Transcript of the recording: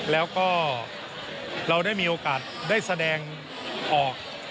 แล้วก็เราได้มีโอกาสได้แสดงออก